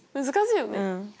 難しいよね。